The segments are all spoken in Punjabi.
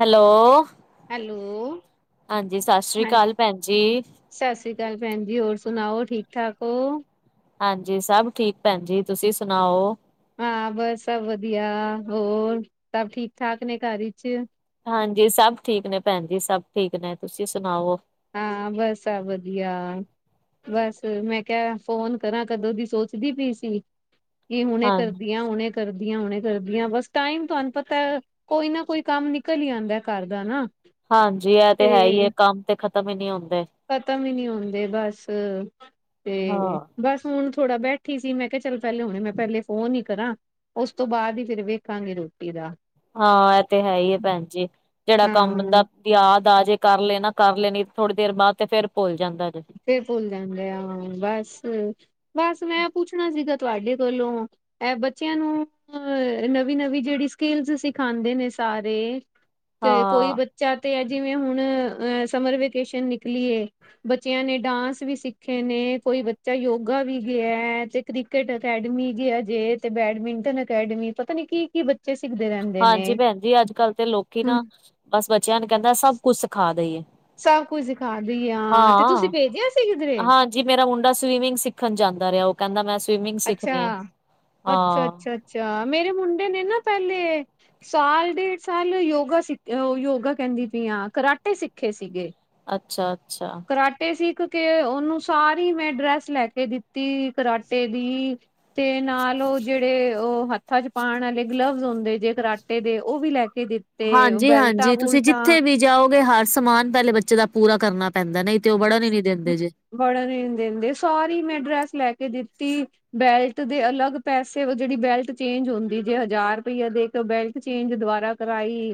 ਹੈਲੋ। ਹੈਲੋ ਹਾਂਜੀ ਸਾਸਰੀ ਕਾਲ ਭੈਣ ਜੀ। ਸਾਸਰੀ ਕਾਲ ਭੈਣ ਜੀ ਹੋਰ ਸੁਣਾਓ ਠੀਕ-ਠਾਕ ਓ? ਹਾਂਜੀ ਸਭ ਠੀਕ ਭੈਣ ਜੀ ਤੁਸੀਂ ਸੁਣਾਓ। ਹਾਂ ਬਸ ਸਭ ਵਧੀਆ ਹੋਰ, ਸਭ ਠੀਕ-ਠਾਕ ਨੇ ਘਰ ਵਿਚ। ਹਾਂਜੀ ਸਭ ਠੀਕ ਨੇ ਭੈਣ ਜੀ ਸਭ ਠੀਕ ਨੇ ਤੁਸੀਂ ਸੁਣਾਓ। ਹਾਂ ਬਸ ਸਭ ਵਧੀਆ। ਬਸ ਮੈਂ ਕਿਹਾ ਫੋਨ ਕਰਾਂ ਕਦੋਂ ਦੀ ਸੋਚਦੀ ਪਈ ਸੀ, ਕਿ ਹੁਣੇ ਹਾਂ ਕਰ ਦੀ ਆਂ ਹੁਣੇ ਕਰਦੀ ਆਂ ਹੁਣੇ ਕਰਦੀ ਆਂ ਬਸ ਟਾਈਮ ਤੁਹਾਨੂੰ ਪਤਾ ਕੋਈ ਨਾ ਕੋਈ ਕੰਮ ਨਿਕਲ ਹੀ ਆਂਦਾ ਘਰ ਦਾ ਨਾ। ਹਾਂਜੀ ਇਹ ਤੇ ਹੈ ਈ ਐ ਕੰਮ ਤੇ ਖਤਮ ਈ ਨੀ ਹੁੰਦੇ। ਖਤਮ ਈ ਨਹੀ ਹੁੰਦੇ ਬਸ, ਤੇ ਹਾਂ। ਬਸ ਹੁਣ ਥੋੜਾ ਬੈਠੀ ਸੀ ਮੈਂ ਕਿਹਾ ਚੱਲ ਪਹਿਲੇ ਹੁਣੇ ਮੈਂ ਪਹਿਲੇ ਫੋਨ ਈ ਕਰਾਂ। ਉਸ ਤੋਂ ਬਾਅਦ ਈ ਫਿਰ ਵੇਖਾਂਗੇ ਰੋਟੀ ਦਾ। ਹਾਂ ਇਹ ਤੇ ਹੈ ਈ ਐ ਭੈਣ ਜੀ ਜਿਹੜਾ ਕੰਮ ਹਾਂ ਬੰਦਾ ਯਾਦ ਆ ਜੇ ਕਰ ਲੈਣਾ ਕਰ ਲੈਣੀ ਥੋੜੀ ਦੇਰ ਬਾਅਦ ਤੇ ਫੇਰ ਭੁੱਲ ਜਾਂਦਾ ਜੇ। ਫਿਰ ਭੁੱਲ ਜਾਂਦੇ ਆ ਬਸ, ਬਸ ਮੈਂ ਪੁੱਛਣਾ ਸੀਗਾ ਤੁਹਾਡੇ ਕੋਲੋਂ- ਐ ਬੱਚਿਆਂ ਨੂੰ ਅ ਨਵੀਂ-ਨਵੀਂ ਜਿਹੜੀ ਸਕਿੱਲਸ ਸਿਖਾਂਦੇ ਨੇ ਸਾਰੇ ਤੇ ਕੋਈ ਹਾਂ, ਬੱਚਾ ਤੇ ਐ ਜਿਵੇਂ ਹੁਣ ਅ ਸਮਰ ਵੇਕੇਸ਼ਨ ਨਿਕਲੀ ਏ। ਬੱਚਿਆਂ ਨੇ ਡਾਂਸ ਵੀ ਸਿੱਖੇ ਨੇ, ਕੋਈ ਬੱਚਾ ਯੋਗਾ ਵੀ ਗਿਆ ਤੇ ਕ੍ਰਿਕਟ ਅਕੈਡਮੀ ਗਿਆ ਜੇ ਤੇ ਬੈਡਮਿੰਟਨ ਅਕੈਡਮੀ ਪਤਾ ਨੀ ਕੀ-ਕੀ ਬ ਹਾਂਜੀ ਭੈਣ ਜੀ ਅੱਜਕੱਲ੍ਹ ਤੇ ਲੋਕੀ ਹੂੰ। ਨਾ, ਬਸ ਬੱਚਿਆਂ ਨੂੰ ਕਹਿੰਦਾ ਸਭ ਕੁਛ ਸਿਖਾ ਦਈਏ। ਸਭ ਕੁਝ ਸਿਖਾ ਦਈਏ ਆ ਤੇ ਤੁਸੀਂ ਭੇਜਿਆ ਸੀ ਕਿਧਰੇ? ਜੀ ਮੇਰਾ ਮੁੰਡਾ ਸਵੀਮਿੰਗ ਸਿੱਖਣ ਜਾਂਦਾ ਰਿਹਾ ਉਹ ਕਹਿੰਦਾ ਮੈਂ ਸਵੀਮਿੰਗ ਅੱਛਾ ਸਿੱਖਣੀ ਆ, ਅੱਛਾ ਹਾਂ। ਅੱਛਾ ਅੱਛਾ ਮੇਰੇ ਮੁੰਡੇ ਨੇ ਨਾ ਪਹਿਲੇ ਸਾਲ ਡੇਢ ਸਾਲ ਯੋਗਾ ਸਿੱਖ ਯੋਗਾ ਕਹਿੰਦੀ ਪਈ ਆ ਕਰਾਟੇ ਸਿੱਖੇ ਸੀਗੇ। ਅੱਛਾ-ਅੱਛਾ। ਕਰਾਟੇ ਸਿੱਖ ਕੇ ਉਹਨੂੰ ਸਾਰੀ ਮੈਂ ਡਰੈਸ ਲੈ ਕੇ ਦਿੱਤੀ ਕਰਾਟੇ ਦੀ ਤੇ ਨਾਲ ਉਹ ਜਿਹੜੇ ਉਹ ਹੱਥਾਂ 'ਚ ਪਾਣ ਆਲੇ ਗਲਵਸ ਹੁੰਦੇ ਜੇ ਕਰਾਟੇ ਦੇ ਉਹ ਵੀ ਲੈ ਕੇ ਦਿੱਤੇ। ਬੈਲਟਾਂ ਹਾਂਜੀ-ਹਾਂਜੀ ਤੁਸੀਂ ਬੁਲਟਾਂ ਜਿੱਥੇ ਵੀ ਜਾਓਗੇ ਹਰ ਸਮਾਨ ਪਹਿਲੇ ਬੱਚੇ ਦਾ ਪੂਰਾ ਕਰਨਾ ਪੈਂਦਾ ਨਹੀਂ ਤੇ ਉਹ ਬੜਨ ਹੀ ਨਹੀ ਦਿੰਦੇ ਜੇ। ਬੜਨ ਹੀ ਨੀ ਦਿੰਦੇ ਸਾਰੀ ਮੈਂ ਡਰੈਸ ਲੈ ਕੇ ਦਿੱਤੀ- ਬੈਲਟ ਦੇ ਅਲੱਗ ਪੈਸੇ ਉਹ ਜਿਹੜੀ ਬੈਲਟ ਚੇਂਜ ਹੁੰਦੀ ਜੇ ਹਜ਼ਾਰ ਰੁਪਈਆ ਦੇ ਤੇ ਉਹ ਬੈਲਟ ਚੇਂਜ ਦੁਬਾਰਾ ਕਰਾਈ,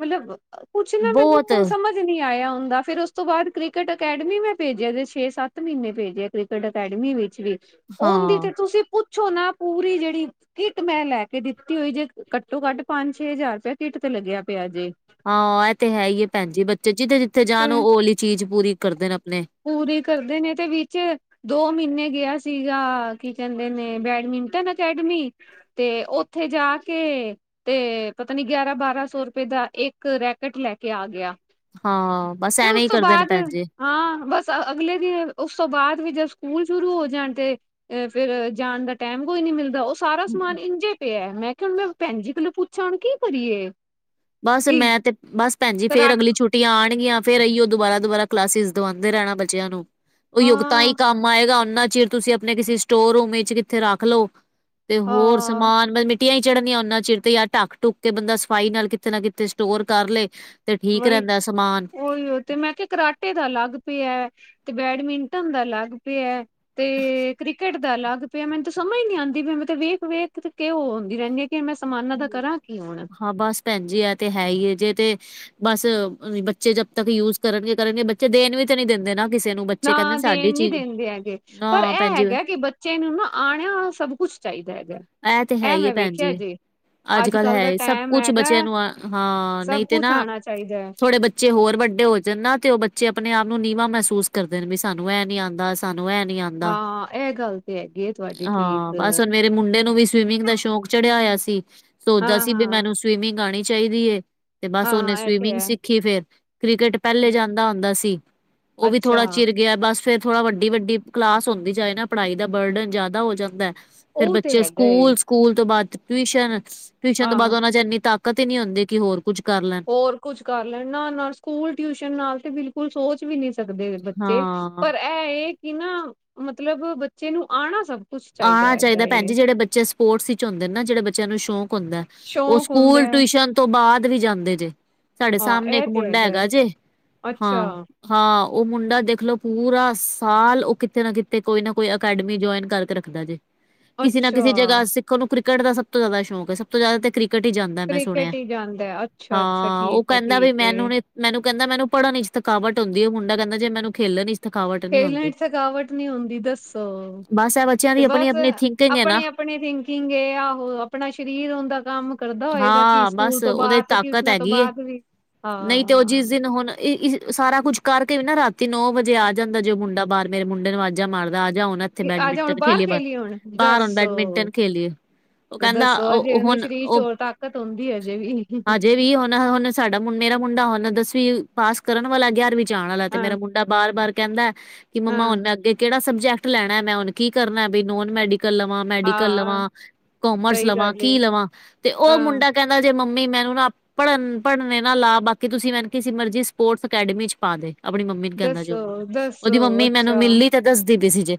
ਮਤਲਬ ਕੁਛ ਨਾ ਬਹੁਤ ਮੈਨੂੰ ਸਮਝ ਨੀ ਆਇਆ ਹੁੰਦਾ ਫਿਰ ਉਸ ਤੋਂ ਬਾਅਦ ਕ੍ਰਿਕਟ ਅਕੈਡਮੀ ਮੈਂ ਭੇਜਿਆ ਤੇ ਛੇ ਸੱਤ ਮਹੀਨੇ ਭੇਜਿਆ ਕ੍ਰਿਕਟ ਅਕੈਡਮੀ ਵਿੱਚ ਵੀ, ਉਹਦੀ ਤੇ ਹਾਂ-ਹਾਂ ਤੁਸੀਂ ਪੁੱਛੋ ਨਾ ਪੂਰੀ ਜਿਹੜੀ ਕਿੱਟ ਮੈਂ ਲੈ ਕੇ ਦਿੱਤੀ ਹੋਈ ਜੇ ਘੱਟੋ ਘੱਟ ਪੰਜ ਛੇ ਹਜ਼ਾਰ ਰੁਪਇਆ ਕਿੱਟ ਤੇ ਲੱਗਿਆ ਪਿਆ ਜੇ। ਹਾਂ ਇਹ ਤੇ ਹੈ ਹੀ ਏ ਭੈਣ ਜੀ ਬੱਚੇ ਜਿੱਥੇ ਜਿੱਥੇ ਜਾਣ ਤੇ ਉਹ ਉਹ ਵਾਲੀ ਚੀਜ਼ ਪੂਰੀ ਕਰ ਦੇ ਨੇ ਆਪਣੇ। ਪੂਰੀ ਕਰਦੇ ਨੇ ਤੇ ਵਿੱਚ ਦੋ ਮਹੀਨੇ ਗਿਆ ਸੀਗਾ ਕੀ ਕਹਿੰਦੇ ਨੇ ਬੈਡਮਿੰਟਨ ਅਕੈਡਮੀ ਤੇ ਉੱਥੇ ਜਾ ਕੇ ਤੇ ਪਤਾ ਨੀ ਗਿਆਰਾਂ ਬਾਰਾਂ ਸੌ ਰੁਪਏ ਦਾ ਇੱਕ ਰੈਕਟ ਲੈ ਕੇ ਆ ਗਿਆ। ਹਾਂ ਬਸ ਤੇ ਐਵੇਂ ਉਸ ਈ ਤੋਂ ਕਰਦੇ ਨੇ ਬਾਅਦ ਭੈਣ ਜੀ। ਹਾਂ, ਬਸ ਅਗਲੇ ਦਿ, ਉਸ ਤੋਂ ਬਾਅਦ ਵੀ ਜਦ ਸਕੂਲ ਸ਼ੁਰੂ ਹੋ ਜਾਣ ਤੇ ਏ ਫਿਰ, ਜਾਣ ਦਾ ਟੈਂਮ ਕੋਈ ਨੀ ਮਿਲਦਾ। ਉਸ ਸਾਰਾ ਸਮਾਨ ਇੰਝੇ ਪਿਆ। ਮੈਂ ਕਿਹਾ ਮੈਂ ਭੈਣ ਜੀ ਕੋਲੋਂ ਪੁੱਛਾ, ਕੀ ਕਰੀਏ? ਬਸ ਕੀ ਮੈਂ ਤੇ, ਬਸ ਭੈਣ ਜੀ ਕਰਾ ਫੇਰ ਅਗਲੀ ਛੁ ਛੁੱਟੀਆ ਆਣਗੀਆਂ। ਫਿਰ ਐਈਓ ਦੁਬਾਰਾ-ਦੁਬਾਰਾ ਕਲਾਸਿਸ ਦਵਾਂਦੇ ਰਹਿਣਾ ਬੱਚਿਆਂ ਨੂੰ ਉਈਓ ਗੱਤਾ ਈ ਹਾਂ ਕੰਮ ਆਏਗਾ। ਓਨਾ ਚਿਰ ਤੁਸੀਂ ਆਪਣੇ ਕਿਸੀ ਸਟੋਰ ਰੂਮ ਵਿੱਚ ਕਿੱਥੇ ਰੱਖਲੋ। ਤੇ ਹੋਰ ਹਾਂ ਸਮਾਨ ਮੇ-ਮਿੱਟੀਆ ਈ ਚੜ੍ਹਨੀਆਂ ਉਨ੍ਹਾਂ ਚਿਰ 'ਤੇ। ਜਾ ਢੱਕ-ਢੁੱਕ ਕੇ ਬੰਦਾ ਸਫ਼ਾਈ ਨਾਲ ਕਿਤ ਕਿਤੇ ਨਾ ਕਿਤੇ ਸਟੋਰ ਕਰ ਲਏ ਤੇ ਠੀਕ ਵਹੀ ਰਹਿੰਦਾ ਸਮਾਨ ਉਹੀਓ ਤੇ ਮੈਂ ਕਿਹਾ ਕਰਾਟੇ ਦਾ ਅਲੱਗ ਪਿਆ ਤੇ ਬੈਡਮਿੰਟਨ ਦਾ ਅਲੱਗ ਪਿਆ ਤੇ ਕ੍ਰਿਕਟ ਦਾ ਅਲੱਗ ਪਿਆ। ਮੈਨੂੰ ਤਾਂ ਸਮਝ ਨੀ ਆਂਦੀ ਵੀ ਮੈ ਤਾ ਵੇਖ-ਵੇਖ ਕੇ ਉਹ ਹੁੰਦੀ ਰਹਿੰਦੀ ਆ ਕਿ ਮੈਂ ਸਮਾਨਾਂ ਦਾ ਕਰਾਂ ਕੀ ਹੁਣ। ਹਾਂ ਬਸ, ਭੈਣਜੀ ਐ ਤੇ ਹੈ ਈ ਏ। ਜੇ ਤੇ ਬਸ, ਬੱਚੇ ਜਬ ਤੱਕ ਯੂਜ ਕਰਨਗੇ-ਕਰਨਗੇ। ਬੱਚੇ ਦੇਣ ਵੀ ਤੇ ਨਹੀਂ ਦੇੰਦੇ ਨਾ। ਕਿਸੇ ਨੂੰ ਬੱਚੇ ਨਾ ਕਹਿੰਦੇ ਸਾਡੀ ਦੇਣ ਨੀ ਚੀਜ਼ ਦੇਂਦੇ ਹੈਗੇ। ਪਰ ਨਾ ਭੈਣ ਇਹ ਜੀ ਹੈਗਾ ਕਿ ਬੱ ਬੱਚੇ ਨੂੰ ਨਾ, ਆਣਾ ਸਭ ਕੁੱਛ ਚਾਹੀਦਾ ਹੈਗਾ। ਐ ਤੇ ਇਹ ਹੈਈਏ ਮੈਂ ਭੈਣ ਵੇਖਿਆ ਜੀ। ਜੇ ਅੱਜ ਅੱਜ-ਕੱਲ੍ਹ ਕੱਲ ਹੈ ਦਾ ਈ ਸਭ ਟਾਈਮ ਕੁਛ ਹੈਗਾ ਬੱਚਿਆਂ ਨੂੰ ਆ। ਹਾਂ ਸਭ ਨਹੀਂ ਤੇ ਕੁਛ ਨਾ, ਆਉਣਾ ਚਾਹੀਦਾ ਹੈ ਥੋੜੇ ਬੱ ਬੱਚੇ ਹੋਰ ਵੱਡੇ ਹੋ ਜਾਣ ਨਾ ਤੇ ਉਹ ਬੱਚੇ ਆਪਣੇ ਆਪ ਨੂੰ ਨੀਵਾਂ ਮਹਿਸੂਸ ਕਰਦੇ ਨੇ। ਵੀ ਸਾਨੂੰ ਐਹ ਨੀ ਆਂਦਾ। ਸਾਨੂੰ ਐਹ ਨੀ ਆਂ ਦਾ। ਹਾਂ ਇਹ ਗੱਲ ਤੇ ਹੈਗੀ ਹੈ ਤੁਹਾਡੀ ਠੀਕ ਹਾਂ, ਬੱਸ ਹੁਣ ਮੇਰੇ ਮੁੰਡੇ ਨੂੰ ਵੀ ਸਵੀਮਿੰਗ ਦਾ ਸ਼ੌਂਕ ਚੜਿਆ ਹੋਇਆ ਸੀ। ਸੋਚਦਾ ਹਾਂ ਸੀ ਵੀ ਹਾਂ ਮੈਨੂੰ ਸਵੀਮਿੰਗ ਆਣੀ ਚਾਹੀਦੀ ਏ ਤੇ ਬਸ ਉਹਨੇ ਹਾਂ ਇਹ ਤੇ ਸਵੀਮਿੰਗ ਹੈ ਸਿੱਖੀ ਫੇਰ। ਕ੍ਰਿਕਟ ਪਹਿਲੇ ਜਾਂਦਾ ਹੁੰਦਾ ਸੀ ਉਹ ਵੀ ਅੱਛਾ ਥੋੜਾ ਚਿਰ ਗਿਆ। ਬਸ ਫਿਰ ਥੋੜਾ ਵੱਡੀ-ਵੱਡੀ ਕਲਾਸ ਹੁੰਦੀ ਜਾਏ ਨਾ। ਪੜ੍ਹਾਈ ਦਾ ਬਡਨ ਜ਼ਿਆਦਾ ਹੋ ਜਾਂਦਾ। ਫਿਰ ਉਹ ਤੇ ਬੱਚੇ ਸ ਹੈਗਾ ਏ ਸਕੂਲ ਤੋਂ ਬਾਅਦ ਟਵੀਸ਼ਨ। ਟਵੀਸ਼ਨ ਤੋਂ ਹਾਂ ਬਾਅਦ ਉਹਨਾ 'ਚ ਇੰਨੀ ਤਾਕਤ ਈ ਨੀ ਹੁੰਦੀ। ਕਿ ਹੋਰ ਕੁੱਝ ਕਰ ਲੈਣ। ਹੋਰ ਕੁਝ ਕਰ ਲੈਣ। ਨਾ-ਨਾ ਸਕੂਲ ਟਿਊਸ਼ਨ ਨਾਲ ਤੇ ਬਿਲਕੁਲ ਸੋਚ ਵੀ ਨੀ ਸਕਦੇ ਬੱਚੇ। ਹਾਂ ਪਰ ਐਹ ਏ ਕਿ ਨਾ, ਮਤਲਬ ਬੱਚੇ ਨੂੰ ਆਣਾ ਸ ਆਣਾ ਚਾਹੀਦਾ ਭੈਣਜੀ। ਜਿਹੜੇ ਬੱਚੇ ਸਪੋਟਸ ਇੱਚ ਹੁੰਦੇ ਨਾ, ਜਿਹੜੇ ਬੱਚਿਆਂ ਨੂੰ ਸ਼ੌਕ ਹੁੰਦਾ ਉਹ ਸ਼ੌਕ ਹੁੰਦਾ ਸਕੂਲ ਹੈ ਟਵੀਸ਼ਨ ਤੋਂ ਬਾਅਦ ਵੀ ਜਾਂਦੇ ਜੇ। ਸਾਡੇ ਹਾਂ ਸਾਹਮਣੇ ਇਹ ਇੱਕ ਤੇ ਮੁੰਡਾ ਹੈ। ਹੈਗਾ ਜੇ, ਅੱਛਾ ਹਾਂ। ਹਾਂ, ਉਹ ਮੁੰਡਾ ਦੇਖਲੋ ਪੂਰਾ ਸਾਲ। ਉਹ ਕਿਤੇ ਨਾ ਕਿਤੇ, ਕੋਈ ਨਾ ਕੋਈ, ਅਕੈਡਮੀ ਜੁਆਇੰਨ ਕਰਕੇ ਰੱਖ ਰੱਖਦਾ ਜੇ। ਕਿਸੀ ਨਾ ਅੱਛਾ ਕਿਸੀ ਜਗ੍ਹਾ ਸਿੱਖਣ ਨੂੰ, ਕ੍ਰਿਕਟ ਦਾ ਸਭ ਤੋਂ ਜ਼ਿਆਦਾ ਸ਼ੌਕ ਐ। ਸਭ ਤੋਂ ਜ਼ਿਆਦਾ ਕਿ੍ ਘਟੀ ਜਾਂਦਾ ਮੈਂ ਸੁਣਿਆ। ਕ੍ਰਿਕਟ ਹੀ ਜਾਂਦਾ ਹੈ ਅੱਛਾ ਅੱਛਾ ਹਾਂ, ਉਹ ਠੀਕ ਹੈ ਕਹਿੰਦਾ ਠੀਕ ਵੀ ਹੈ ਮੈਨੂੰ ਨੀ ਮੈਨੂੰ ਕਹਿੰਦਾ, ਮੈਨੂੰ ਪੜ੍ਹਨ ਇਚ ਥਕਾਵਟ ਹੁੰਦੀ ਏ। ਮੁੰਡਾ ਕਹੰਦਾ ਜੇ ਮੈਨੂੰ ਖੇਲਣ ਥਕਾਵਟ ਨਹੀਂ ਖੇਲਣ ਹੁੰਦੀ 'ਚ ਥਕਾਵਟ ਨੀ ਹੁੰਦੀ ਦੱਸੋ। ਬਸ ਇਹ ਬੱਚਿਆਂ 'ਤੇ ਦੀ ਆਪਣੀ ਬਸ ਆਪਣੀ ਥਿੰਕਿੰਗ ਹੈ ਨਾ ਆਪਣੇ ਆਪ ਆਪਣੀ ਥਿੰਕਿੰਗ ਏ। ਆਹੋ ਆਪਣਾ ਸਰੀਰ ਉਦਾਂ ਕੰਮ ਕਰਦਾ ਹੋਏਗਾ, ਕਿ ਹਾਂ ਸਕੂਲ ਬਸ ਤੋਂ ਉਹਦੇ ਬਾਅਦ ਤੇ ਤਾਕਤ ਟਿਊਸ਼ਨਾਂ ਤੋਂ ਹੈਗੀ ਏ। ਬਾਅਦ ਵੀ ਨਹੀਂ ਤੇ ਉਹ ਹਾਂ ਜਿਸ ਦਿਨ ਹੁਣ, ਏ ਇ ਸਾਰਾ ਕੁਛ ਕਰਕੇ ਵੀ ਨਾ‌। ਰਾਤੀ ਨੌ ਵਜੇ ਆ ਜਾਂਦਾ ਜੇ, ਉਹ ਮੁੰਡਾ ਬਾਰ। ਮੇਰੇ ਮੁੰਡੇ ਨੂੰ ਵਾਜਾ ਮਾਰਦਾ। ਆਜਾ ਹੁਣ ਤੇ ਆਜਾ ਹੁਣ ਬੈਡਮਿੰਟਨ ਬਾਹਰ ਖੇਲੀਏ। ਹੁਣ ਬ-ਬਾਹਰ ਹੁਣ ਦੱਸੋ ਬੈਡਮਿੰਟਨ ਖੇਲੀਏ। ਉਹ ਕਹਿੰਦਾ, ਦੱਸੋ ਉਹ ਅਜੇ ਉ ਉਹਦੇ ਹੁਣ ਸਰੀਰ ਉਹ 'ਚ ਹੋਰ ਤਾਕਤ ਹੁੰਦੀ ਏ ਅਜੇ ਵੀ। ਹਜੇ ਵੀ ਹੁਣ-ਹੁਣ ਸਾਡਾ ਮੁ, ਮੇਰਾ ਮੁੰਡਾ ਹੁਣ, ਦਸਵੀਂ ਪਾਸ ਕਰਨ ਵਾਲਾ। ਗਿਆਰਵੀਂ 'ਚ ਆਣ ਆਲਾ ਤੇ ਹਾਂ ਮੇਰਾ ਮੁ ਮੁੰਡਾ ਬਾਰ-ਬਾਰ ਕਹਿੰਦਾ ਕਿ ਮੰਮਾ ਹਾਂ ਹੁਣ, ਮੈਂ ਅੱਗੇ ਕਿਹੜਾ ਸਬਜੈ ਕਟ ਲੈਣਾ। ਮੈਂ ਹੁਣ ਕੀ ਕਰਨਾ, ਬੀ ਨੋਨ ਮੈਡੀਕਲ ਲਵਾਂ ਮੈਡੀਕਲ ਹਾਂ ਲਵਾਂ, ਕੋਮਰਸ ਸਹੀ ਲਵਾਂ, ਗੱਲ ਏ ਕੀ ਲਵਾਂ ਤੇ ਉਹ ਹਾਂ ਮੁੰਡਾ ਕਹਿੰਦਾ ਜੇ, ਮੰਮੀ ਮੈਨੂੰ ਨਾ ਪੜ੍ਹਨ, ਪੜ੍ਹਨੇ ਨਾ ਲਾ ਬਾਕੀ ਤੁਸੀਂ ਮੈਨ ਕਿਸੀ ਮਰਜ਼ੀ ਸਪੋਰਟਸ ਅਕੈਡਮੀ ਚ ਪਾ ਦੇ। ਅਪਣੀ ਮੰਮੀ ਨੂੰ ਕੈਂਦਾ ਜੇ ਓ ਦੱਸੋ ਮੁੰਡਾ, ਦੱਸੋ ਉਦੀ ਮੰਮੀ ਮੈਨੂੰ ਅੱਛਾ ਮਿਲੀ ਤੇ ਦੱਸਦੀ ਬੀ ਸੀ ਜੇ।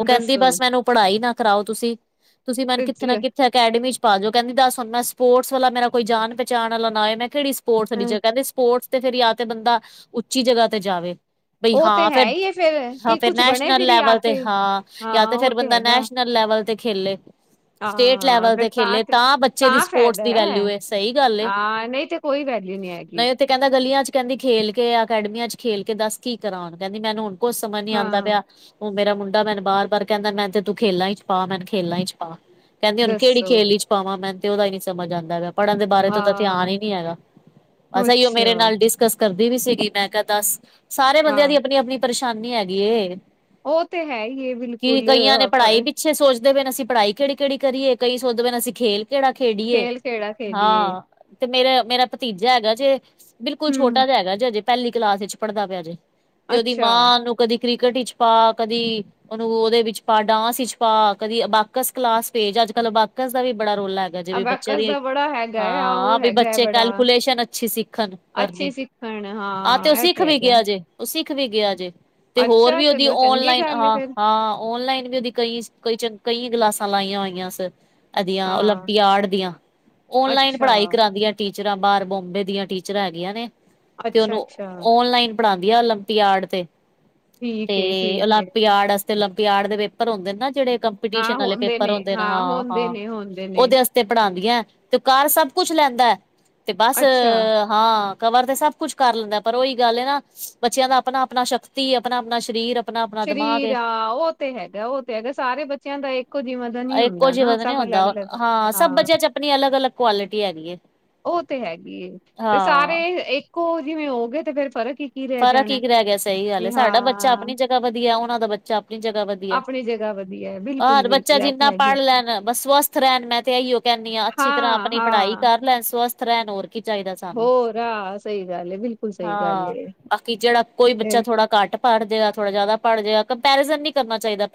ਓ ਕੈਂਦੀ ਦੱਸੋ ਬਸ ਮੈਨੂੰ ਪੜ੍ਹਾਈ ਨਾ ਕਰਾਓ ਤੁਸੀਂ, ਤੁਸੀ ਮੈਨ ਕਿੱਥੇ ਨਾ ਕਿੱਥੇ ਅਕੈਡਮੀ ਚ ਪਾਜੋ। ਕੈਂਦੀ ਦੱਸ ਹੁਨ ਮੈਂ ਸਪੋਰਟਸ ਵਾਲਾ ਮੇਰਾ ਕੋਈ ਜਾਨ ਪਹਿਚਾਣ ਆਲਾ ਨਾਂ ਹੋਏ ਮੈਂ ਕੇੜੀ ਸਪੋਰਟਸ ਆਲੀ ਹਮ ਜਗ੍ਹਾ, ਕੈਂਦੀ ਸਪੋਰਟਸ ਤੇ ਫੇਰ ਯਾਂ ਤੇ ਬੰਦਾ, ਉੱਚੀ ਜਗ੍ਹਾ ਤੇ ਜਾਵੇ। ਬਈ ਉਹ ਤੇ ਹਾਂ ਹੈ ਫੇਰ, ਹੀ ਹੈ ਫੇਰ ਹਾਂ ਕਿ ਫੇਰ ਕੁਛ ਬਣੇ ਨੈਸ਼ਨਲ ਫਿਰ ਯਾ ਲੈਵਲ ਤੇ ਹਾਂ ਯਾਂ ਤੇ ਫੇਰ ਬੰਦਾ ਨੈਸ਼ਨਲ ਲੈਵਲ ਤੇ ਖੇਲੇ, ਸਟੇਟ ਹਾਂ ਲੈਵਲ ਤੇ ਫਿਰ ਖੇਲੇ ਤਾਂ ਬੱਚੇ ਦੀ ਸਪੋਰਟਸ ਫਾਇਦਾ ਦੀ ਹੈ ਵੈਲਿਊ ਏ ਸਈ ਗੱਲ ਏ, ਹਾਂ ਨਹੀਂ ਤੇ ਕੋਈ ਵੈਲਿਊ ਨਹੀਂ ਹੈਗੀ ਨਈ ਤੇ ਕੈਂਦਾ ਗਲੀਆਂ ਚ ਕੈਂਦੀ ਖੇਲ ਕੇ, ਅਕੈਡਮੀਆਂ ਚ ਖੇਲ ਕੇ ਦੱਸ ਕਿ ਕਰਾ ਹੁਨ ਕਹਿੰਦੀ ਮੈਨੂੰ ਹੁਨ ਕੁਛ ਸਮਝ ਨੀ ਆਂਦਾ ਹਾਂ ਪਿਆ। ਓ ਮੇਰਾ ਮੁੰਡਾ ਮੈਨੂੰ ਬਾਰ- ਬਾਰ ਕੈਂਦਾ ਮੈਂ ਤੇ ਤੂੰ ਖੇਲਾਂ ਚ ਪਾ, ਮੈਨੂੰ ਖੇਲਾਂ ਚ ਪਾ। ਕੈਂਦੀ ਹੁਣ ਕੇੜੀ ਦੱਸੋ ਖੇਲ ਇਚ ਪਾਵਾਂ ਮੈਂਨੂੰ ਤੇ ਓਦਾ ਈ ਨੀ ਸਮਝ ਆਂਦਾ ਪਿਆ। ਪੜ੍ਹਨ ਦੇ ਬਾਰੇ ਤਾਂ ਉਦਾ ਧਿਆਨ ਹਾਂ ਈ ਨੀ ਹੈਗਾ, ਬਸ ਐਈਓ ਅੱਛਾ ਮੇਰੇ ਨਾਲ ਡਿਸ ਕਸ ਕਰਦੀ ਵੀ ਸੀਗੀ ਮੈਂ ਕਿਆ ਦਸ, ਸਾਰੇ ਬੰਦਿਆਂ ਹਾਂ ਦੀ ਅਪਣੀ -ਅਪਣੀ ਪਰੇਸ਼ਾਨੀ ਹੈਗੀ ਏ। ਉਹ ਤੇ ਹੈ ਹੀ ਏ ਕਿ ਬਿਲਕੁਲ ਕਈਆਂ ਨੇ ਪੜ੍ਹਾਈ ਪਰ ਪਿੱਛੇ ਸੋਚਦੇ ਪਏ ਨੇ, ਅਸੀਂ ਪੜ੍ਹਾਈ ਕੇੜ੍ਹੀ-ਕੇੜੀ ਕਰੀਏ, ਕਈ ਸੋਚਦੇ ਪਏ ਨੇ ਅਸੀਂ ਖੇਲ ਕੇੜਾ ਖੇਡੀਏ ਖੇਲ ਕਿਹੜਾ ਖੇਲੀਏ ਹਾਂ। ਤੇ ਮੇਰਾ, ਮੇਰਾ ਭਤੀਜਾ ਹੈਗਾ ਜੇ ਬਿਲਕੁਲ ਹੂੰ ਛੋਟਾ ਜਾ ਹੈਗਾ ਜੇ ਅਜੇ ਪੈਲੀ ਕਲਾਸ ਏਚ ਪੜ੍ਹਦਾ ਪਿਆ ਜੇ, ਤੇ ਉਦੀ ਅੱਛਾ ਮਾਂ ਉਨੂੰ ਕਦੀ ਕ੍ਰਿਕਟ ਇਚ ਪਾ, ਕਦੀ ਉਨੂੰ ਓਦੇ ਵਿੱਚ ਪਾ ਡਾਂਸ ਇਚ ਪਾ, ਕਦੀ ਅਬਾਕਸ ਕਲਾਸ ਭੇਜ ਅੱਜ ਕੱਲ੍ਹ ਅਬਾਕਸ ਦਾ ਵੀ ਬੜਾ ਰੋਲਾ ਹ ਹੈਗਾ ਜਿਵੇਂ ਬੱਚਿਆਂ ਅਬੈਕਸ ਦੀ, ਦਾ ਬੜਾ ਹੈਗਾ ਹੈ ਆਹੋ ਹਾਂ ਵੀ ਹੈਗਾ ਹੈ ਬੱਚੇ ਬੜਾ ਕੈਲਕੂਲੇਸ਼ਨ ਅੱਛੀ ਸਿੱਖਨ ਅੱਛੀ ਕਰਨੀ। ਸਿੱਖਣ ਆਹ ਤੇ ਹਾਂ ਓ ਇਹ ਸਿੱਖ ਵੀ ਹੈਗਾ ਗਿਆ ਜੇ, ਓ ਸਿੱਖ ਵੀ ਗਿਆ ਜੇ। ਤੇ ਹੋਰ ਅੱਛਾ ਵੀ ਉਦੀ ਚਲੋ ਚੰਗੀ ਔਨਲਾਈਨ, ਗੱਲ ਫੇਰ ਹਾਂ-ਹਾਂ ਔਨਲਾਈਨ ਵੀ ਉਦੀ ਕਈਸ, ਕਈ -ਕਈ ਕਲਾਸਾਂ ਲਾਈਆਂ ਹੋਈਆਂ ਸ ਐਧੀਆ ਹਾਂ ਓਲੰਪੀਆਡ ਦੀਆਂ, ਓਨਲਾਈਨ ਅੱਛਾ ਪੜ੍ਹਾਈ ਕਰਾਂਦੀਆਂ ਟੀਚਰਾਂ, ਬਾਅਰ ਬੋਂਬੇ ਦੀਆਂ ਟੀਚਰਾਂ ਹੈਗੀਆਂ ਨੇ ਤੇ ਅੱਛਾ ਉਨੂੰ ਅੱਛਾ ਓਨਲਾਈਨ ਪੜਾਦੀਆਂ ਓਲੰਪੀਆਡ ਤੇ। ਤੇ ਠੀਕ ਏ ਠੀਕ ਏ ਓਲੰਪੀਆਡ ਅਸ ਤੇ ਓਲੰਪੀਆਡ ਦੇ ਪੇਪਰ ਹੁੰਦੇਨ ਨਾ ਜੇੜੇ ਹਾਂ ਕੰਪੀਟੀਸ਼ਨ ਆਲੇ ਹੁੰਦੇ ਪੇਪਰ ਨੇ ਹੁੰਦੇਨ, ਹਾਂ ਹੁੰਦੇ ਹਾਂ-ਹਾਂ। ਨੇ ਹੁੰਦੇ ਨੇ ਅਸਤੇ ਪੜਾਦੀਆਂ, ਤੇ ਓ ਕਰ ਸਭ ਕੁੱਛ ਲੈਂਦੈ ਤੇ ਬਸ ਅੱਛਾ ਹਾਂ, ਕਵਰ ਤੇ ਸਭ ਕੁਛ ਕਰ ਲੈਂਦਾ ਪਰ ਓਹੀ ਗੱਲ ਏ ਨਾ, ਬੱਚਿਆਂ ਦਾ ਅਪਨਾ - ਅਪਨਾ ਸ਼ਕਤੀ, ਅਪਨਾ - ਅਪਨਾ ਸ਼ਰੀਰ ਸ਼ਰੀਰ ਆ, ਓ ਤੇ ਹੈਗਾ-ਓ ਤੇ ਹੈਗਾ ਸਾਰੇ ਬੱਚਿਆਂ ਦਾ ਇੱਕੋ ਜਿਵਾ ਹਾਂ ਇੱਕੋ ਜਿਵਾ ਤੇ ਨੀ ਹੁੰਦਾ, ਹਾਂ ਸਭ ਬੱਚਿਆਂ ਚ ਅਪਨੀ ਅਲੱਗ - ਅਲੱਗ ਕੁਆਲਿਟੀ ਹੈਗੀ ਏ। ਓ ਤੇ ਹੈਗੀ ਏ, ਤੇ ਸਾਰੇ ਇੱਕੋ ਜਿਵੇਂ ਹੋ ਗਏ ਤੇ ਫੇਰ ਫਰਕ ਕੀ ਰਹਿ ਫਰਕ ਜਾਣਾ ਕੀ ਰੈ ਗਿਆ ਸਈ ਗੱਲ ਏ। ਵੀ ਸਾਡਾ ਬੱਚਾ ਹਾਂ ਅਪਨੀ ਜਗ੍ਹਾ ਵਧੀਆ ਓਨਾਂ ਦਾ ਬੱਚਾ ਅਪਨੀ ਜਗ੍ਹਾ ਵਧੀ ਅਪਣੀ ਜਗ੍ਹਾ ਵਧੀ ਔਰ ਬੱਚਾ ਜਿੰਨਾ ਪੜ੍ਹ ਲੈਨ ਬਸ ਸਵਸਥ ਰੈਂਣ ਮੈਂ ਤੇ ਐਈਓ ਕੈਂਨੀ ਆ ਅੱਛੀ ਤਰ੍ਹਾਂ ਹਾਂ ਅਪਨੀ ਪੜ੍ਹਾਈ ਹਾਂ ਕਰ ਲੈਨ ਸਵਸਥ ਰੈਂਨ ਹੋਰ ਕੀ ਚਾਈਦਾ ਸਾ ਹੋਰ ਹਾਂ ਸਈ ਗੱਲ ਏ, ਬਿਲਕੁਲ ਸਈ ਗੱਲ ਹਾਂ ਏ। ਬਾਕੀ ਜੇੜਾ ਕੋਈ ਬੱਚਾ ਇਹ ਥੋੜਾ ਘੱਟ ਪੜ ਜੇਗਾ, ਥੋੜ੍ਹਾ ਜਾਦਾ ਪੜ੍ਹ ਜੇਗਾ, ਕੰਪੈਰੀਜਨ ਨੀ ਕਰਨਾ ਚਾਈਦਾ।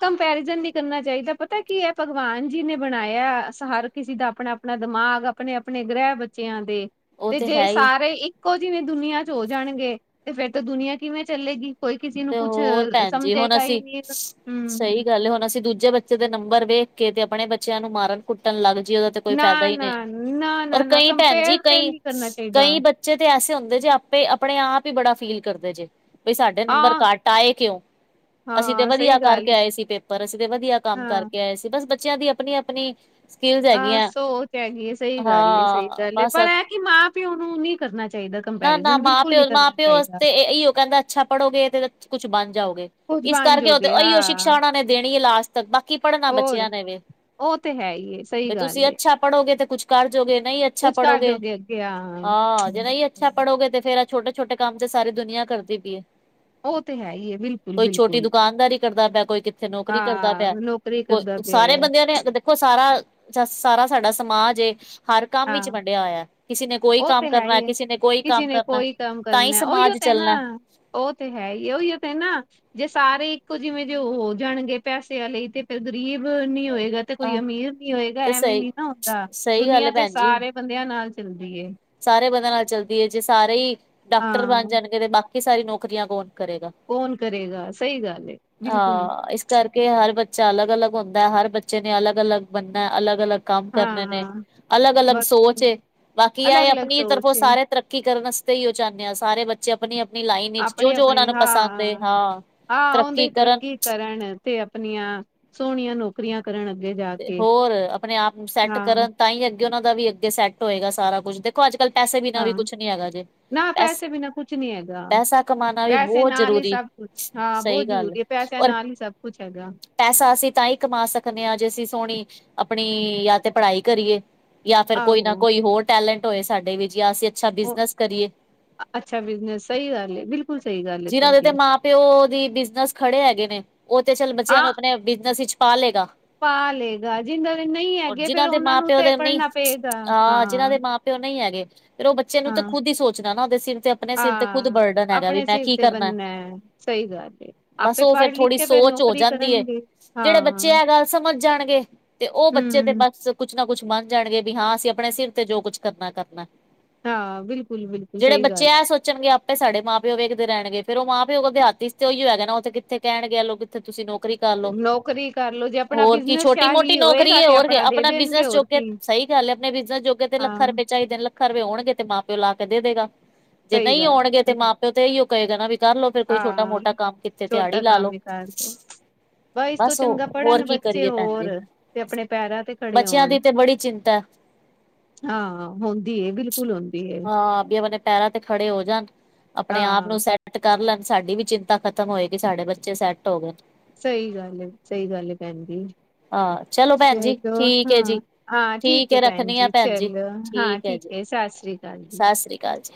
[inaudible] ਕੰਪੈਰੀਜ਼ਨ ਨੀ ਕਰਨਾ ਚਾਈਦਾ, ਪਤੈ ਕੀ ਐ ਭਗਵਾਨ ਜੀ ਨੇ ਬਣਾਇਆ ਐ ਹਰ ਕਿਸੇ ਦਾ ਅਪਣਾ ਅਪਣਾ ਦਿਮਾਗ, ਅਪਣੇ - ਅਪਣੇ ਗ੍ਰਹਿ ਬੱਚਿਆਂ ਦੇ। ਉਹ ਤੇ ਜੇ ਹੈ ਹੀ ਸਾਰੇ ਇੱਕੋ ਜਿਵੇਂ ਦੁਨੀਆਂ ਚ ਹੋ ਜਾਣਗੇ ਤੇ ਫੇਰ ਤਾਂ ਦੁਨੀਆਂ ਕਿਵੇਂ ਚੱਲੇਗੀ। ਕੋਈ ਕਿਸੀ ਨੂੰ ਤੇ ਕੁਛ ਸਮਝੇਗਾ ਈ ਨੀ ਸਈ ਗੱਲ ਏ ਹੁਨ ਅਸੀਂ ਦੂਜੇ ਬੱਚੇ ਦੇ ਨੰਬਰ ਵੇਖ ਕੇ ਤੇ ਅਪਣੇ ਬੱਚਿਆਂ ਨੂੰ ਮਾਰਨ, ਕੁੱਟਣ ਲੱਗ ਜਈਏ ਓ ਤੇ ਕੋਈ ਨਾ ਫਾਇਦਾ ਈ ਨਾ ਨਹੀਂ ਨਾ ਔਰ ਨਾ ਨਾ ਕਈ ਭੈਣ ਜੀ ਕੰਪੇਅਰ ਈ ਤੇ ਕਈ ਨਹੀਂ ਕਰਨਾ ਚਾਹੀਦਾ ਕਈ ਬੱਚ ਬੱਚੇ ਤੇ ਐਸੇ ਹੁੰਦੇ ਜੇ ਆਪੇ ਆਪਣੇ ਆਪ ਈ ਬੜਾ ਫੀਲ ਕਰਦੇ ਜੇ ਬਈ ਸਾਡੇ ਨੰਬਰ ਆਹ ਘੱਟ ਆਏ ਕਿਉਂ ਅਸੀਂ ਤੇ ਹਾਂ ਸਹੀ ਵਧੀਆ ਗੱਲ ਕਰਕੇ ਹੈ। ਆਏ ਸੀ ਪੇਪਰ ਅਸੀਂ ਤੇ ਵਧੀਆ ਕੰਮ ਹਾਂ ਕਰਕੇ ਆਏ ਸੀ ਈ ਬਸ ਬਚ ਬੱਚਿਆਂ ਦੀ ਆਪਣੀ ਆਪਣੀ ਈ ਆਹ ਸੋਓ ਹੈਗੀ ਸਹੀ ਗੱਲ ਏ ਸਹੀ ਹਾਂ ਗੱਲ ਏ ਬਸ ਪਰ ਇਹ ਕਿ ਮਾਂ ਪਿਓ ਨੂੰ ਨਹੀਂ ਕਰਨਾ ਚਾਹੀਦਾ ਆ ਨਾ ਨਾ ਮਾਂ ਪਿਓ ਮਾਂ ਪਿਓ ਵਾਸਤੇ ਇਓ ਕਹਿੰਦਾ ਅੱਛਾ ਪੜ੍ਹੋਗੇ ਤੇ ਕੁਛ ਬਣ ਜਾਓਗੇ ਏ ਕੁਝ ਇਸ ਬਣ ਕਰਕੇ ਐ ਉਹ ਤੇ ਜੋਗੇ ਇਹੀਓ ਹਾਂ ਸ਼ਿਕਸ਼ਾ ਉਹਨਾ ਨੇ ਦੇਣੀ ਲਾਸਟ ਤੇ ਬਾਕੀ ਪੜ੍ਹਨਾ ਹੋਰ ਬੱਚਿਆਂ ਨੇ ਵੋ ਵੇ ਉਹ ਤੇ ਹੈ ਹੀ ਹੈ, ਸਹੀ ਐ ਤੁਸੀਂ ਗੱਲ ਏ ਅੱਛਾ ਆ ਪੜ੍ਹੋਗੇ ਤੇ ਕੁੱਛ ਕਰਜੋਗੇ ਏ ਨਹੀਂ ਅੱਛਾ ਕੁਛ ਕਰ ਪੜ੍ਹੋਗੇ ਜੋਗੇ ਅੱਗੇ ਹਾਂ ਆ ਜੇ ਨਹੀਂ ਅੱਛਾ ਪੜੋਗੇ ਤੇ ਫੇਰ ਛੋਟੇ ਛੋਟੇ ਕੰਮ ਚ ਸਾਰੀ ਦੁਨੀਆਂ ਕਰਦੀ ਪਈ ਐ ਉਹ ਤੇ ਹੈ ਹੀ ਹੈ ਬਿਲਕੁਲ ਕੋਈ ਛੋਟੀ ਬਿਲਕੁਲ ਦੁਕਾਨਦਾਰੀ ਕਰਦਾ ਪਿਆ ਕੋਈ ਕਿੱਥੇ ਨੌਕਰੀ ਕਰਦਾ ਹਾਂ ਪਿਆ ਐ ਨੌਕਰੀ ਕੋ ਕਰਦਾ ਸਾਰੇ ਪਿਆ ਬੰਦਿਆਂ ਨੇ ਦੇਖੋ ਸਾਰਾ ਸਾਰਾ ਸਾਡਾ ਸਮਾਜ ਏ ਹਰ ਕੰਮ ਵਿੱਚ ਹਾਂ ਵੰਡਿਆ ਹੋਇਆ ਕਿਸੇ ਨੇ ਕੋਈ ਉਹ ਕੰਮ ਤੇ ਹੈ ਕਰਨਾ ਐ ਹੀ ਹੈ। ਕਿਸੇ ਨੇ ਏ ਕਿਸੇ ਨੇ ਕੋਈ ਕੰਮ ਕਰਨਾ ਉਹੀਓ ਤੇ ਨਾ ਚੱਲਣਾ ਉਹ ਤੇ ਐ ਹੀ ਉਹ ਤੇ ਐ ਜੇ ਸਾਰੇ ਇੱਕੋ ਜਿਵੇਂ ਜੇ ਉਹ ਹੋ ਜਾਣਗੇ ਪੈਸਿਆਂ ਲਈ ਤੇ ਫਿਰ ਗ਼ਰੀਬ ਨੀ ਹੋਏਗਾ ਤੇ ਕੋਈ ਅਹ ਅਮੀਰ ਨੀ ਹੋਏਗਾ ਤੇ ਐਵੇਂ ਸਹੀ ਨੀ ਨਾ ਹੁੰਦਾ ਸਹੀ ਗੱਲ ਦੁਨੀਆਂ ਹੈ ਤੇ ਭੈਣ ਜੀ ਸਾਰੇ ਬੰਦਿਆਂ ਨਾਲ ਚੱਲਦੀ ਏ ਤੇ ਸਾਰੇ ਬੰਦਿਆਂ ਨਾਲ ਚੱਲਦੀ ਐ ਜੇ ਸਾਰੇ ਈ ਡਾਕਟਰ ਬਣ ਹਾਂ ਜਾਣਗੇ ਤੇ ਬਾਕੀ ਸਾਰੀ ਨੌਕਰੀਆਂ ਕੌਣ ਕਰੇਗਾ ਆ ਕੌਣ ਕਰੇਗਾ ਆ ਸਹੀ ਗੱਲ ਏ ਬਿਲਕੁਲ ਹਾਂ ਇਸ ਕਰਕੇ ਹਰ ਬੱਚਾ ਅਲੱਗ ਅਲੱਗ ਹੁੰਦਾ ਐ ਹਰ ਬੱਚੇ ਨੇ ਅਲੱ ਅਲਗ ਬਣਨਾ ਐ ਅਲੱਗ ਅਲੱਗ ਕੰਮ ਕਰਨੇ ਨੇ ਏ ਹਾਂ ਅਲੱਗ ਅਲੱਗ ਬਸ ਸੋਚ ਏ ਕਿ ਅਲੱਗ ਐ ਅਲੱਗ ਆਪਣੀ ਤਰਫੋਂ ਸੋਚ ਏ ਤਰੱਕੀ ਕਰਨ ਵਾਸਤੇ ਈ ਉ ਜਾਨੇ ਆ ਸਾਰੇ ਬੱਚ ਬੱਚੇ ਆਪਣੀ ਈ ਆਪਣੀ ਈ ਲਾਈਨ ਇਚ ਜੋ ਆਪਣੇ ਜੋ ਆਪਣੇ ਉਹਨਾਂ ਨੂੰ ਪਸੰਦ ਏ ਹਾਂ ਹਾਂ ਹਾਂ ਉਹਦੇ ਤਰੱਕੀ ਕਰਨ ਕਰਨ ਤੇ ਆਪਣੀਆਂ ਸੋਹਣੀਆਂ ਨੂੰ ਨੌਕਰੀਆਂ ਕਰਨ ਅੱਗੇ ਜਾ ਕੇ ਤੇ ਹੋਰ ਆਪਣੇ ਆਪ ਨੂੰ ਸੈੱਟ ਹਾਂ ਕਰਨ ਤਾਂ ਈ ਅੱਗੇ ਉਹਨਾਂ ਦਾ ਵੀ ਅੱਗੇ ਸੈੱਟ ਹੋਏਗਾ ਸਾਰਾ ਕੁਛ ਦੇ ਏ ਦੇਖੋ ਅੱਜ ਕੱਲ ਪੈਸੇ ਬਿਨਾ ਵੀ ਹਾਂ ਕੁਛ ਨੀ ਹੈਗਾ ਜੇ ਨਾ ਪੈਸ ਪੈਸੇ ਬਿਨਾ ਕੁਛ ਨੀ ਹੈਗਾ ਆ ਪੈਸਾ ਕਮਾਣਾ ਵੀ ਪੈਸੇ ਬਹੁਤ ਨਾਲ ਈ ਜ਼ਰੂਰੀ ਸਭ ਕੁਛ ਹਾਂ ਸਹੀ ਬਹੁਤ ਗੱਲ ਜ਼ਰੂਰੀ ਏ ਪੈਸਿਆਂ ਔਰ ਨਾਲ ਹੀ ਸਭ ਕੁਛ ਹੈਗਾ ਆ ਪੈਸਾ ਅਸੀਂ ਤਾਂਹੀ ਕਮਾ ਸਕਦੇ ਆ ਜੇ ਅਸੀਂ ਸੋਹਣੀ ਆਪਣੀ ਜਾਂ ਤੇ ਪੜ੍ਹਾਈ ਕਰੀਏ ਜਾਂ ਫਿਰ ਕੋਈ ਨਾ ਆਹੋ ਕੋਈ ਹੋਰ ਟੈਲੈਂਟ ਹੋਏ ਸਾਡੇ ਵਿੱਚ ਜਾਂ ਅਸੀਂ ਅੱਛਾ ਉਹ ਬਿਜਨਸ ਕਰੀਏ ਅੱਛਾ ਬਿਜਨਸ ਸਹੀ ਗੱਲ ਏ ਬਿਲਕੁਲ ਸਹੀ ਗੱਲ ਏ ਜਿਨਾਂ ਦੇ ਤੇ ਤੁਹਾਡੀ ਮਾਂ ਪਿਓ ਦੀ ਬਿਜਨਸ ਖੜੇ ਹੈਗੇ ਨੇ ਏ ਉਹ ਤੇ ਚੱਲ ਬੱਚਿਆਂ ਹਾਂ ਨੂੰ ਆਪਣੇ ਬਿਜਨਸ ਵਿੱਚ ਪਾਲੈਗਾ ਆ ਪਾ ਲੈ ਏ ਗਾ ਜਿੰਨਾਂ ਦੇ ਨਹੀਂ ਹੈਗੇ ਫਿਰ ਜਿਨ੍ਹਾਂ ਦੇ ਉਹਨਾਂ ਮਾਂ ਨੂੰ ਪਿਓ ਤੇ ਪੜ੍ਹਨਾ ਪੇਗਾ ਹਾ ਤੇ ਉਹ ਨਹੀਂ ਹੈਗੇ ਏ ਫਿਰ ਉਹ ਬੱਚੇ ਨੂੰ ਤਾਂ ਖੁਦ ਈ ਸੋਚਣਾ ਨਾ ਉਹਦੇ ਸਿਰ ਤੇ ਆਪਣੇ ਸਿਰ ਤੇ ਖੁੱਦ ਹਾਂ ਬਰਡਨ ਹੈਗਾ ਆਪਣੇ ਮੈਂ ਸਿਰ ਕੀ ਤੇ ਕਰਨਾ ਐ ਬਣਨਾ ਹੈ, ਸਹੀ ਗੱਲ ਏ ਬਸ ਆਪੇ ਉਹ ਫਿਰ ਪੜ੍ਹ ਲਿਖ ਥੋੜ੍ਹੀ ਕੇ ਫੇਰ ਸੋਚ ਹੋ ਨੌਕਰੀ ਜਾਂਦੀ ਐ ਕਰਨਗੇ ਜਿਹੜਾ ਬੱਚੇ ਹਾਂ ਐ ਗੱਲ ਸਮਝ ਜਾਣਗੇ ਤੇ ਉਹ ਬੱਚੇ ਤੇ ਹਮ ਬਸ ਆ ਕੁਛ ਨਾ ਕੁਛ ਬੰਨ ਜਾਣਗੇ ਵੀ ਹਾਂ ਅਸੀਂ ਆਪਣੇ ਸਿਰ ਤੇ ਜੋ ਕੁਛ ਕਰਨਾ ਆ ਕਰਨਾ ਆ ਹਾਂ ਬਿਲਕੁਲ ਬਿਲਕੁਲ ਸਹੀ ਗੱਲ ਏ ਚੱਗੇ ਏ ਆਪੇ ਏ ਸਾਡੇ ਮਾਂ ਪਿਓ ਵੇਖਦੇ ਰਹਿਣ ਗੇ ਫਿਰ ਉਹ ਮਾਂ ਪਿਓ ਦੀ ਹੱਥ ਚ ਓਹੀ ਹੋਏਗਾ ਨਾ ਉੱਥ ਕਿੱਥੇ ਕਹਿਣ ਗਿਆ ਲੋਕ ਫਿਰ ਤੁਸੀਂ ਨੌਕਰੀ ਕਰ ਲਓ ਨੌਕਰੀ ਕਰਲੋ ਜੇ ਆਪਣਾ ਹੋਰ ਕਿ ਬਿਜਨਸ ਛੋਟੀ ਮੋਟੀ ਸ਼ਾਹੀ ਨੌਕਰੀ ਹੋਏਗਾ ਐ ਤੇ ਹੋਰਗੇ ਦੇ ਆਪਣਾ ਦੇਣਗੇ ਬਿਜਨਸ ਹੋਰ ਚੂਕੇ ਏ ਕੀ ਸਹੀ ਗੱਲ ਐ ਆਪਣੇ ਬਿਜ਼ਨਸ ਜੋਗੇ ਤੇ ਲੱਖਾਂ ਆ ਹਾਂ ਰੁਪਏ ਚਾਈ ਦੇ ਨੇ ਲੱਖਾਂ ਆ ਸਰਵੇ ਹੋਣਗੇ ਤੇ ਮਾਂ ਪਿਓ ਲਾ ਕੇ ਦੇ ਦੇਗਾ ਜੇ ਸਹੀ ਨਹੀਂ ਗੱਲ ਹੈ, ਹੋਣਗੇ ਸਹੀ ਤੇ ਗੱਲ ਮਾਂ ਪਿਓ ਤੇ ਇਹੀਓ ਕਹੇਗਾ ਨਾ ਵੀ ਕਰ ਲੋ ਫਿਰ ਕੋਈ ਛੋਟਾ ਹਾਂ ਮੋਟਾ ਕਾਮ ਕੀਤੇ ਛੋਟਾ ਦਿਹਾੜੀ ਲਾ ਕੰਮ ਲਓ ਹੀ ਕਰ ਦੋ ਬ ਇਸ ਤੋਂ ਬਸ ਚੰਗਾ ਉਹ ਹੋਰ ਪੜ੍ਹਨ ਕੀ ਬੱਚੇ ਕਰੀਏ। ਭੈਣ ਹੋਰ ਜੀ ਤੇ ਆਪਣੇ ਪੈਰਾਂ ਤੇ ਖੜੇ ਬੱਚਿਆਂ ਹੋਣ ਦੀ ਤੇ ਬੜੀ ਚਿੰਤਾ ਏ ਹਾਂ ਹੁੰਦੀ ਏ ਬਿਲਕੁਲ ਹੁੰਦੀ ਏ ਹਾਂ ਵੀ ਆਪਣੇ ਪੈਰਾਂ ਤੇ ਖੜੇ ਹੋ ਜਾਣ। ਆਪਣੇ ਆਪ ਹਾਂ ਨੂੰ ਸੈਟ ਕਰ ਲੈਣ ਸਾਡੀ ਵੀ ਚਿੰਤਾ ਖ਼ਤਮ ਹੋਏਗੀ‌। ਸਾਡੇ ਬੱਚੇ ਸੈੱਟ ਹੋ ਗਏ। ਸਹੀ ਗੱਲ ਏ ਸਹੀ ਗੱਲ ਏ ਭੈਣ ਜੀ ਹਾਂ ਚਲੋ ਭੈਣ ਜੀ ਚਲੋ ਠੀਕ ਹੈ ਹਾਂ ਜੀ ਆ ਠੀਕ ਹੈ ਭੈਣ ਜੀ ਚਲੋ ਹਾਂ। ਠੀਕ ਹੈ ਸਤਿ ਸ੍ਰੀ ਅਕਾਲ, ਜੀ ਸਤਿ ਸ੍ਰੀ ਅਕਾਲ ਜੀ